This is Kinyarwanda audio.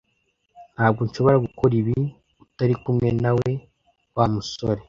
Ntabwo nshobora gukora ibi utari kumwe nawe Wa musore